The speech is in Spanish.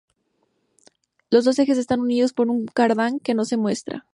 Los dos ejes están unidos por un cardán que no se muestra.